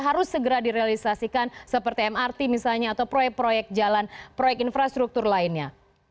harus segera direalisasikan seperti mrt misalnya atau proyek proyek jalan proyek infrastruktur lainnya